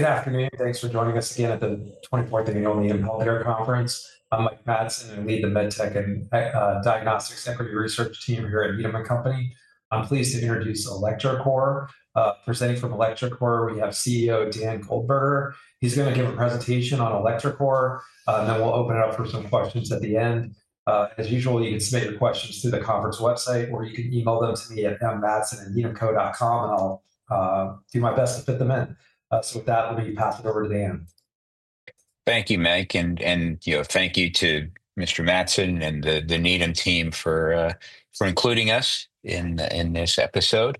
Good afternoon. Thanks for joining us again at the 24th Annual Needham Healthcare Conference. I'm Mike Matson, and I lead the MedTech and Diagnostics Equity Research team here at Needham & Company. I'm pleased to introduce electroCore. Presenting from electroCore, we have CEO Dan Goldberger. He's going to give a presentation on electroCore, and then we'll open it up for some questions at the end. As usual, you can submit your questions through the conference website, or you can email them to me at m.matson@needhamco.com, and I'll do my best to fit them in. With that, let me pass it over to Dan. Thank you, Mike. Thank you to Mr. Matson and the Needham team for including us in this episode.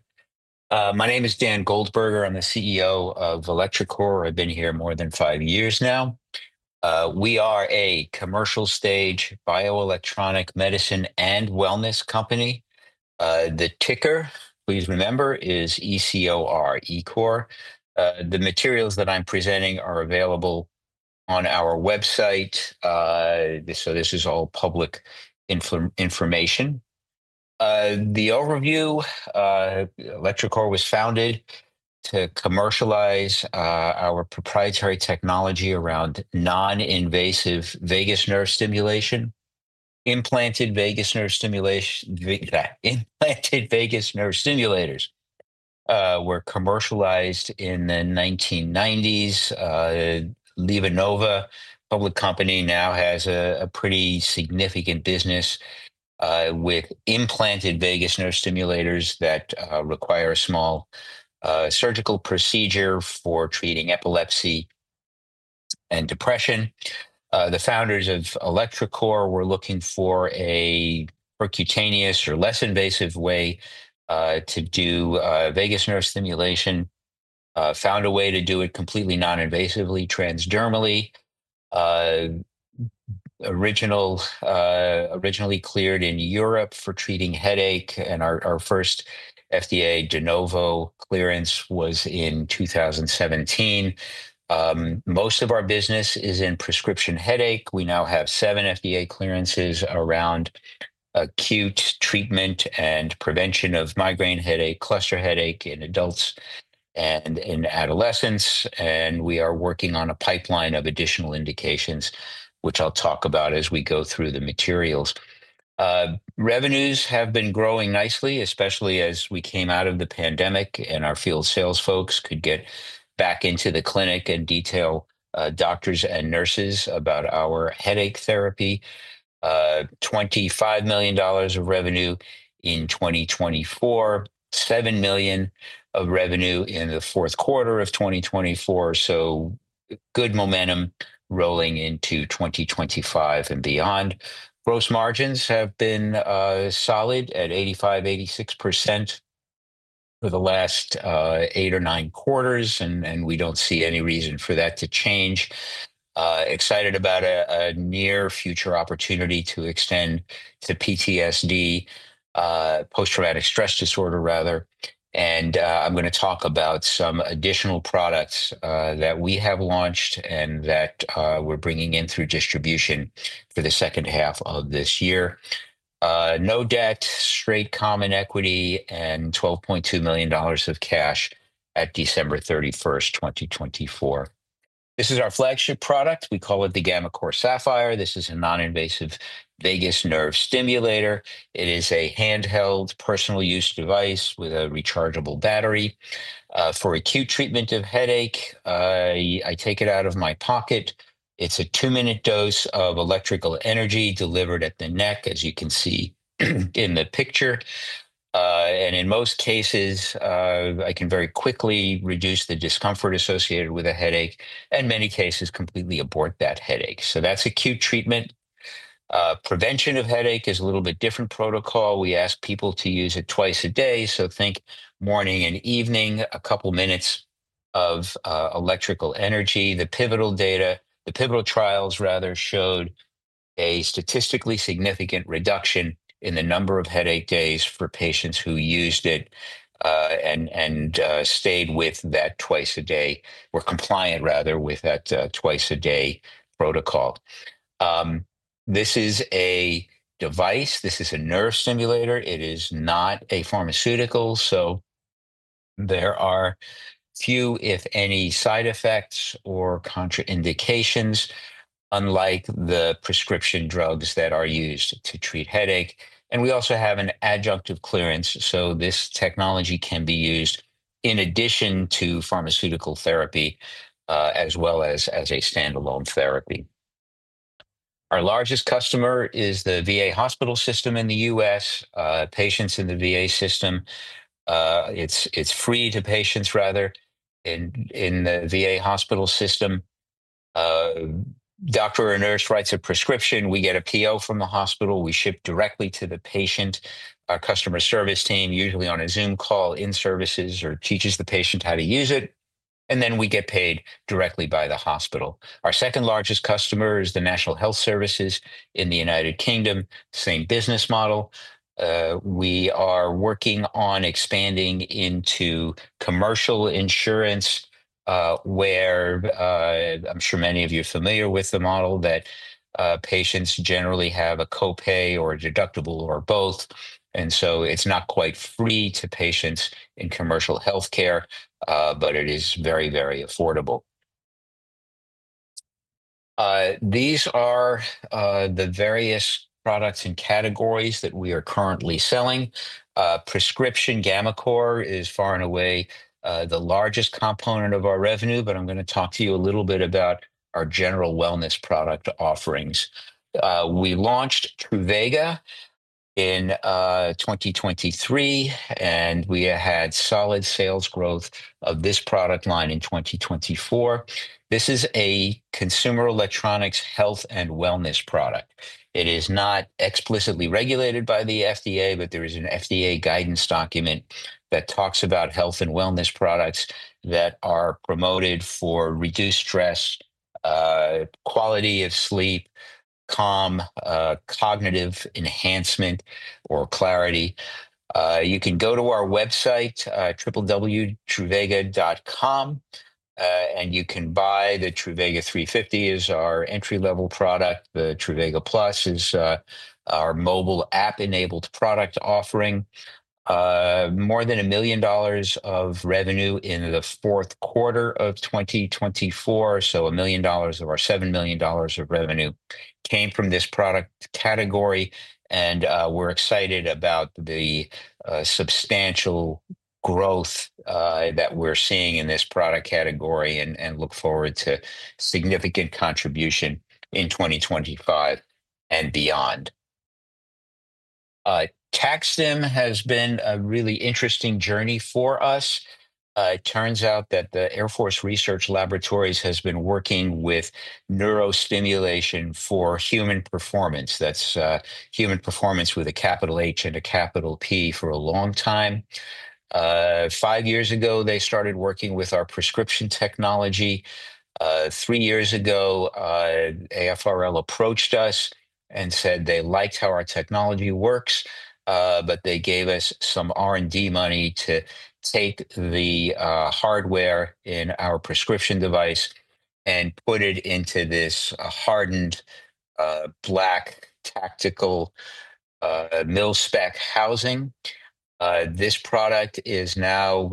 My name is Dan Goldberger. I'm the CEO of electroCore. I've been here more than five years now. We are a commercial stage bioelectronic medicine and wellness company. The ticker, please remember, is ECOR, E Core. The materials that I'm presenting are available on our website, so this is all public information. The overview: electroCore was founded to commercialize our proprietary technology around non-invasive vagus nerve stimulation. Implanted vagus nerve stimulators were commercialized in the 1990s. LivaNova, a public company, now has a pretty significant business with implanted vagus nerve stimulators that require a small surgical procedure for treating epilepsy and depression. The founders of electroCore were looking for a percutaneous or less invasive way to do vagus nerve stimulation, found a way to do it completely non-invasively, transdermally. Originally cleared in Europe for treating headache, and our first FDA De Novo clearance was in 2017. Most of our business is in prescription headache. We now have seven FDA clearances around acute treatment and prevention of migraine headache, cluster headache in adults and in adolescents. We are working on a pipeline of additional indications, which I'll talk about as we go through the materials. Revenues have been growing nicely, especially as we came out of the pandemic, and our field sales folks could get back into the clinic and detail doctors and nurses about our headache therapy. $25 million of revenue in 2024, $7 million of revenue in the fourth quarter of 2024, good momentum rolling into 2025 and beyond. Gross margins have been solid at 85%-86% for the last eight or nine quarters, and we don't see any reason for that to change. Excited about a near future opportunity to extend to PTSD, post-traumatic stress disorder, rather. I am going to talk about some additional products that we have launched and that we are bringing in through distribution for the second half of this year. No debt, straight common equity, and $12.2 million of cash at December 31, 2024. This is our flagship product. We call it the gammaCore Sapphire. This is a non-invasive vagus nerve stimulator. It is a handheld personal use device with a rechargeable battery for acute treatment of headache. I take it out of my pocket. It is a two-minute dose of electrical energy delivered at the neck, as you can see in the picture. In most cases, I can very quickly reduce the discomfort associated with a headache, and in many cases, completely abort that headache. That is acute treatment. Prevention of headache is a little bit different protocol. We ask people to use it twice a day, so think morning and evening, a couple of minutes of electrical energy. The pivotal data, the pivotal trials, rather, showed a statistically significant reduction in the number of headache days for patients who used it and stayed with that twice a day, were compliant, rather, with that twice-a-day protocol. This is a device. This is a nerve stimulator. It is not a pharmaceutical, so there are few, if any, side effects or contraindications, unlike the prescription drugs that are used to treat headache. We also have an adjunctive clearance, so this technology can be used in addition to pharmaceutical therapy, as well as as a standalone therapy. Our largest customer is the VA hospital system in the U.S., Patients in the VA system, it's free to patients, rather, in the VA hospital system. Doctor or nurse writes a prescription. We get a PO from the hospital. We ship directly to the patient. Our customer service team, usually on a Zoom call, in-services or teaches the patient how to use it. We get paid directly by the hospital. Our second largest customer is the National Health Service in the United Kingdom, same business model. We are working on expanding into commercial insurance, where I'm sure many of you are familiar with the model that patients generally have a copay or a deductible or both. It is not quite free to patients in commercial healthcare, but it is very, very affordable. These are the various products and categories that we are currently selling. Prescription gammaCore is far and away the largest component of our revenue, but I'm going to talk to you a little bit about our general wellness product offerings. We launched Truvaga in 2023, and we had solid sales growth of this product line in 2024. This is a consumer electronics health and wellness product. It is not explicitly regulated by the FDA, but there is an FDA guidance document that talks about health and wellness products that are promoted for reduced stress, quality of sleep, calm, cognitive enhancement, or clarity. You can go to our website, www.truvaga.com, and you can buy the Truvaga 350 as our entry-level product. The Truvaga Plus is our mobile app-enabled product offering. More than $1 million of revenue in the fourth quarter of 2024, so $1 million of our $7 million of revenue came from this product category. We are excited about the substantial growth that we are seeing in this product category and look forward to significant contribution in 2025 and beyond. TacStim has been a really interesting journey for us. It turns out that the Air Force Research Laboratory has been working with neurostimulation for human performance. That's human performance with a capital H and a capital P for a long time. Five years ago, they started working with our prescription technology. Three years ago, AFRL approached us and said they liked how our technology works, but they gave us some R&D money to take the hardware in our prescription device and put it into this hardened black tactical mill-spec housing. This product is now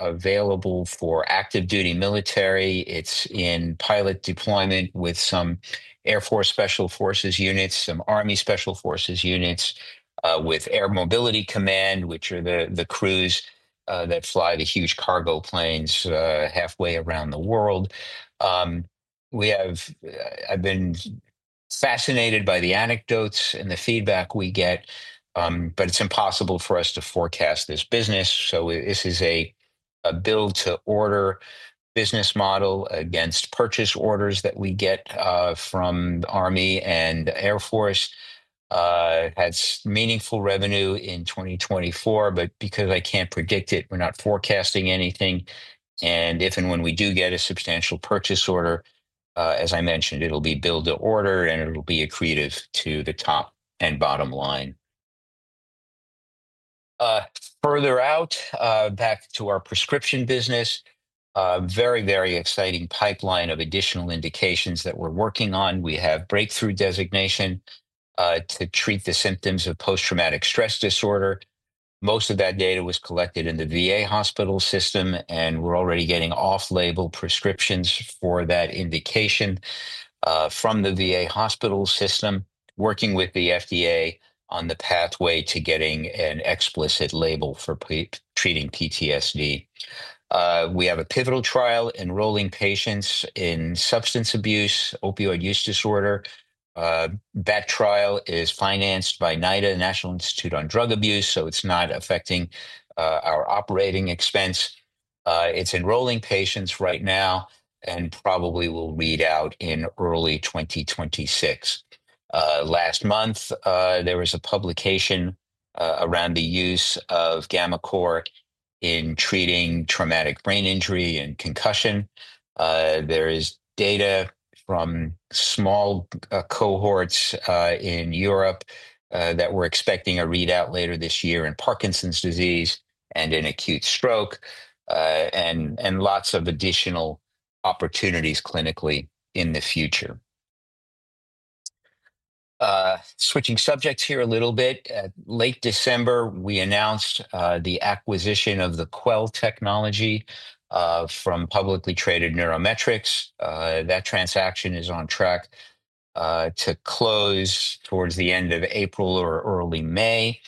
available for active duty military. It's in pilot deployment with some Air Force Special Forces units, some Army Special Forces units with Air Mobility Command, which are the crews that fly the huge cargo planes halfway around the world. I've been fascinated by the anecdotes and the feedback we get, but it's impossible for us to forecast this business. This is a build-to-order business model against purchase orders that we get from the Army and Air Force. It had meaningful revenue in 2024, but because I can't predict it, we're not forecasting anything. If and when we do get a substantial purchase order, as I mentioned, it'll be build-to-order, and it'll be accretive to the top and bottom line. Further out, back to our prescription business, very, very exciting pipeline of additional indications that we're working on. We have breakthrough designation to treat the symptoms of post-traumatic stress disorder. Most of that data was collected in the VA hospital system, and we're already getting off-label prescriptions for that indication from the VA hospital system, working with the FDA on the pathway to getting an explicit label for treating PTSD. We have a pivotal trial enrolling patients in substance abuse, opioid use disorder. That trial is financed by NIDA, National Institute on Drug Abuse, so it's not affecting our operating expense. It's enrolling patients right now and probably will read out in early 2026. Last month, there was a publication around the use of gammaCore in treating traumatic brain injury and concussion. There is data from small cohorts in Europe that we're expecting a readout later this year in Parkinson's disease and in acute stroke, and lots of additional opportunities clinically in the future. Switching subjects here a little bit. Late December, we announced the acquisition of the Quell technology from publicly traded NeuroMetrix. That transaction is on track to close towards the end of April or early May.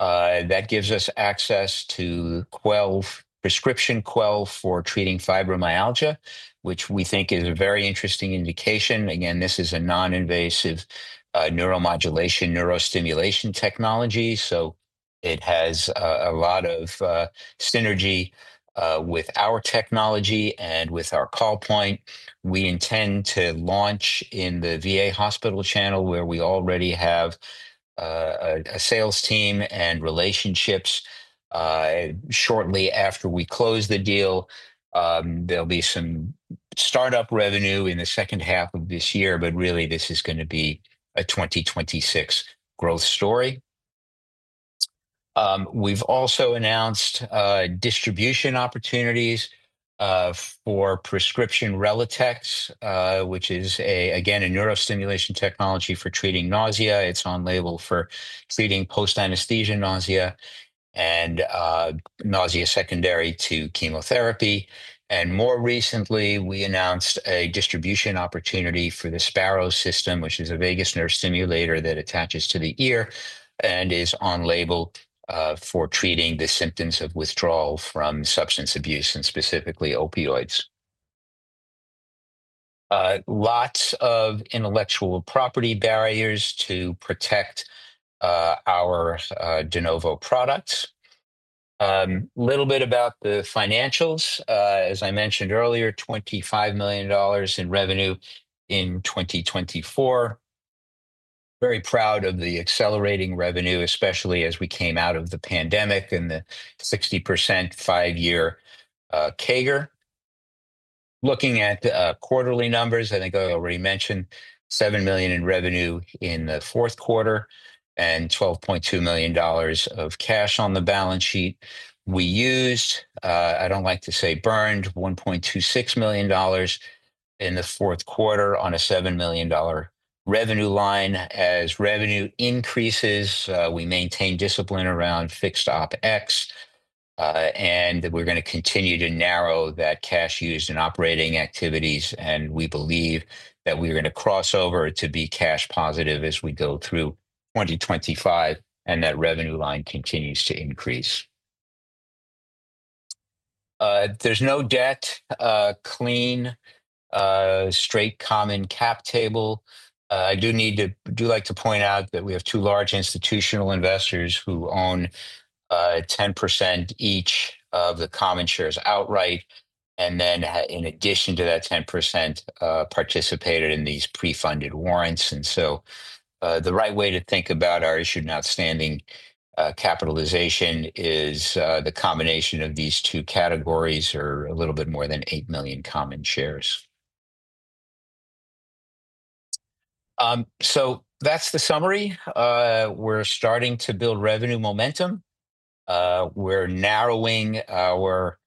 That gives us access to Quell, prescription Quell for treating fibromyalgia, which we think is a very interesting indication. Again, this is a non-invasive neuromodulation, neurostimulation technology, so it has a lot of synergy with our technology and with our call point. We intend to launch in the VA hospital channel, where we already have a sales team and relationships. Shortly after we close the deal, there'll be some startup revenue in the second half of this year, but really, this is going to be a 2026 growth story. We've also announced distribution opportunities for prescription Relatex, which is, again, a neurostimulation technology for treating nausea. It's on label for treating post-anesthesia nausea and nausea secondary to chemotherapy. More recently, we announced a distribution opportunity for the Sparrow system, which is a vagus nerve stimulator that attaches to the ear and is on label for treating the symptoms of withdrawal from substance abuse and specifically opioids. Lots of intellectual property barriers to protect our De Novo products. A little bit about the financials. As I mentioned earlier, $25 million in revenue in 2024. Very proud of the accelerating revenue, especially as we came out of the pandemic and the 60% five-year CAGR. Looking at quarterly numbers, I think I already mentioned $7 million in revenue in the fourth quarter and $12.2 million of cash on the balance sheet. We used, I do not like to say burned, $1.26 million in the fourth quarter on a $7 million revenue line. As revenue increases, we maintain discipline around fixed OpEx, and we are going to continue to narrow that cash used in operating activities. We believe that we are going to cross over to be cash positive as we go through 2025, and that revenue line continues to increase. There is no debt, clean, straight common cap table. I do like to point out that we have two large institutional investors who own 10% each of the common shares outright. In addition to that 10%, participated in these pre-funded warrants. The right way to think about our issued and outstanding capitalization is the combination of these two categories or a little bit more than 8 million common shares. That's the summary. We're starting to build revenue momentum. We're narrowing our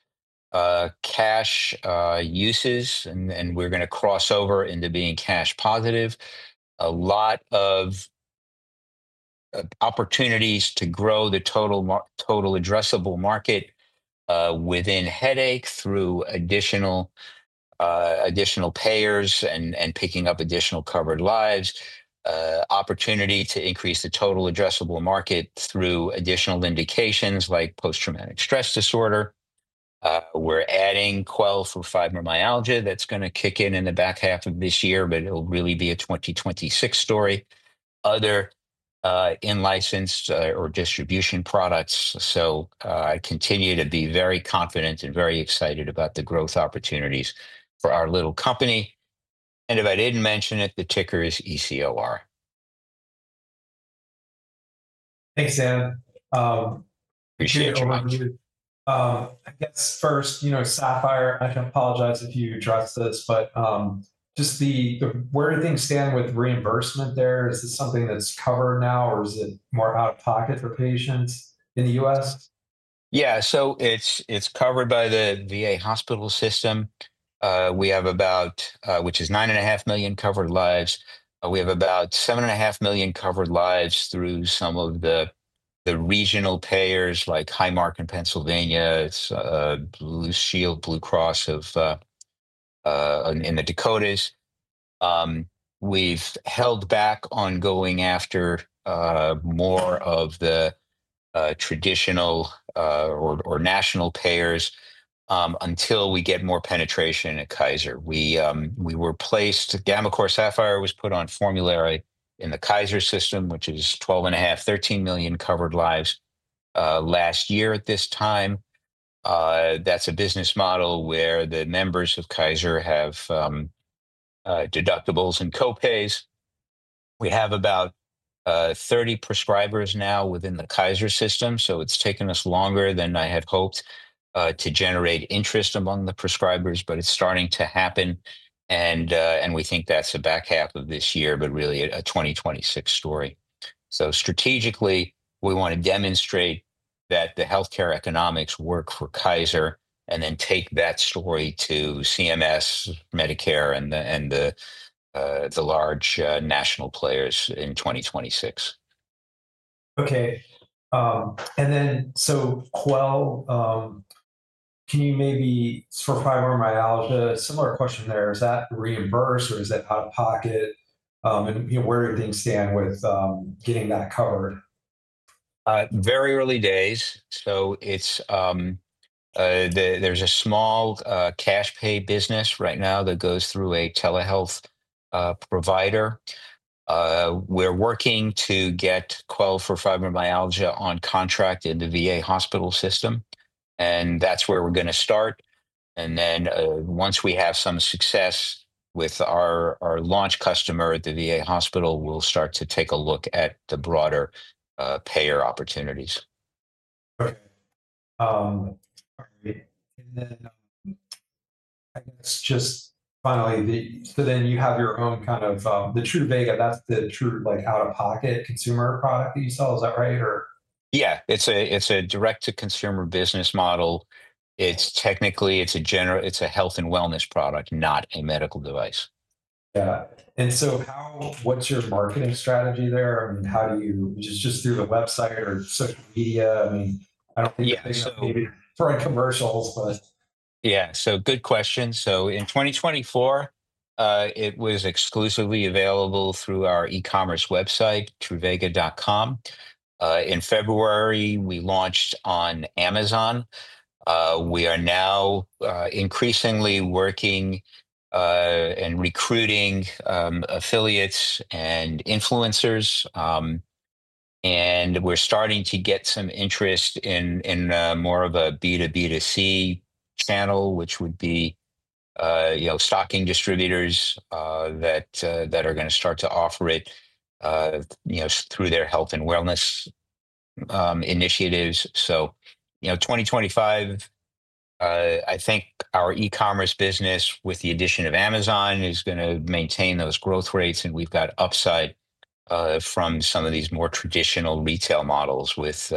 cash uses, and we're going to cross over into being cash positive. A lot of opportunities to grow the total addressable market within headache through additional payers and picking up additional covered lives. Opportunity to increase the total addressable market through additional indications like post-traumatic stress disorder. We're adding Quell for fibromyalgia. That's going to kick in in the back half of this year, but it'll really be a 2026 story. Other in-licensed or distribution products. I continue to be very confident and very excited about the growth opportunities for our little company. If I did not mention it, the ticker is ECOR. Thanks, Dan. Appreciate your interview. I guess first, Sapphire, I can apologize if you addressed this, but just where do things stand with reimbursement there? Is this something that is covered now, or is it more out of pocket for patients in the U.S.? Yeah, it is covered by the VA hospital system, which is 9.5 million covered lives. We have about 7.5 million covered lives through some of the regional payers like Highmark in Pennsylvania, Blue Cross Blue Shield in the Dakotas. We have held back on going after more of the traditional or national payers until we get more penetration at Kaiser. We were placed, gammaCore Sapphire was put on formulary in the Kaiser system, which is 12.5-13 million covered lives last year at this time. That's a business model where the members of Kaiser have deductibles and copays. We have about 30 prescribers now within the Kaiser system, so it's taken us longer than I had hoped to generate interest among the prescribers, but it's starting to happen. We think that's the back half of this year, but really a 2026 story. Strategically, we want to demonstrate that the healthcare economics work for Kaiser and then take that story to CMS, Medicare, and the large national players in 2026. Okay. Quell, can you maybe for fibromyalgia, similar question there, is that reimbursed or is it out of pocket? Where do things stand with getting that covered? Very early days. There's a small cash pay business right now that goes through a telehealth provider. We're working to get Quell for fibromyalgia on contract in the VA hospital system. That's where we're going to start. Once we have some success with our launch customer at the VA hospital, we'll start to take a look at the broader payer opportunities. Okay. All right. I guess just finally, you have your own kind of the Truvaga, that's the true out-of-pocket consumer product that you sell, is that right? Or? Yeah. It's a direct-to-consumer business model. Technically, it's a health and wellness product, not a medical device. Yeah. What's your marketing strategy there? I mean, how do you, just through the website or social media? I mean, I don't think you're basically for commercials, but. Yeah. Good question. In 2024, it was exclusively available through our e-commerce website, Truvaga.com. In February, we launched on Amazon. We are now increasingly working and recruiting affiliates and influencers. We are starting to get some interest in more of a B2B2C channel, which would be stocking distributors that are going to start to offer it through their health and wellness initiatives. In 2025, I think our e-commerce business with the addition of Amazon is going to maintain those growth rates, and we have upside from some of these more traditional retail models with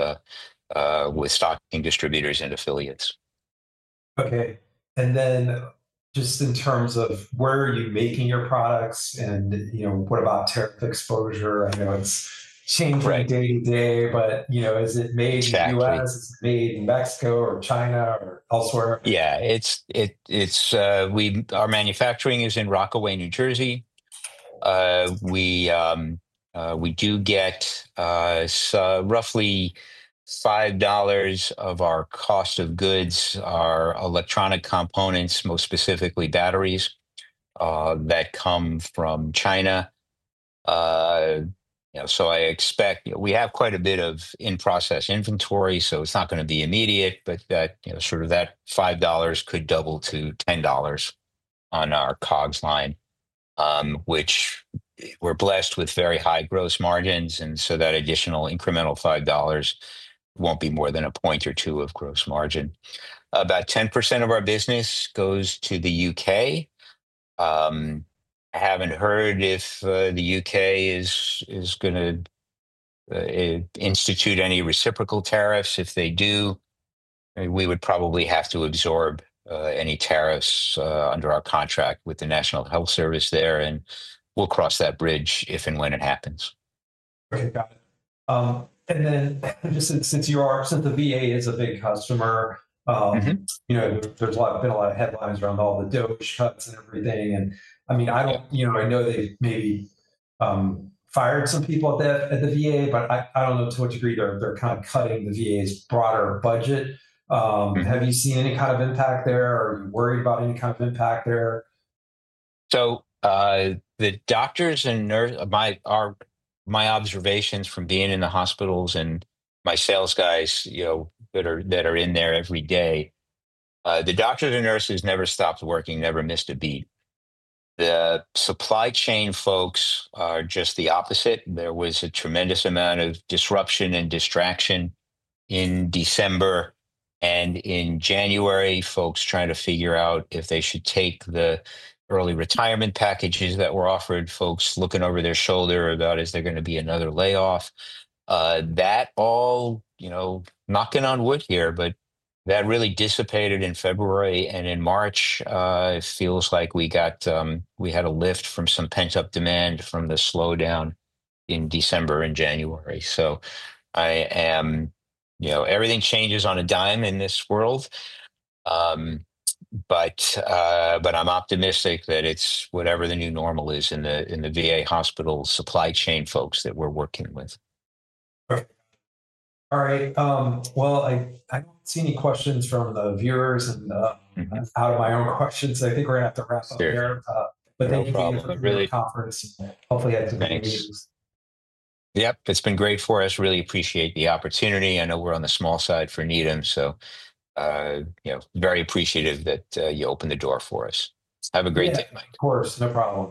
stocking distributors and affiliates. Okay. Just in terms of where are you making your products and what about tariff exposure? I know it is changing day to day, but is it made in the U.S.? Is it made in Mexico or China or elsewhere? Yeah. Our manufacturing is in Rockaway, New Jersey. We do get roughly $5 of our cost of goods, our electronic components, most specifically batteries, that come from China. I expect we have quite a bit of in-process inventory, so it is not going to be immediate, but sort of that $5 could double to $10 on our COGS line, which we are blessed with very high gross margins. That additional incremental $5 will not be more than a point or two of gross margin. About 10% of our business goes to the U.K. I have not heard if the U.K. is going to institute any reciprocal tariffs. If they do, we would probably have to absorb any tariffs under our contract with the National Health Service there, and we will cross that bridge if and when it happens. Okay. Got it. Since the VA is a big customer, there's been a lot of headlines around all the DOGE cuts and everything. I mean, I know they've maybe fired some people at the VA, but I don't know to what degree they're kind of cutting the VA's broader budget. Have you seen any kind of impact there? Are you worried about any kind of impact there? The doctors and nurses, my observations from being in the hospitals and my sales guys that are in there every day, the doctors and nurses never stopped working, never missed a beat. The supply chain folks are just the opposite. There was a tremendous amount of disruption and distraction in December. In January, folks trying to figure out if they should take the early retirement packages that were offered, folks looking over their shoulder about is there going to be another layoff. That all, knocking on wood here, but that really dissipated in February. In March, it feels like we had a lift from some pent-up demand from the slowdown in December and January. Everything changes on a dime in this world, but I'm optimistic that it's whatever the new normal is in the VA hospital supply chain folks that we're working with. All right. I don't see any questions from the viewers and out of my own questions. I think we're going to have to wrap up here. Thank you for the conference. Hopefully, I have some good news. Thanks. Yep. It's been great for us. Really appreciate the opportunity.I know we're on the small side for Needham, so very appreciative that you opened the door for us. Have a great day, Mike. Of course. No problem.